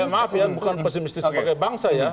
maaf ya bukan pesimistis sebagai bangsa ya